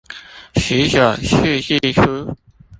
十九世紀初